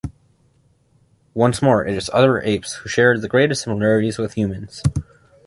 Once more it is other apes who share the greatest similarities with humans.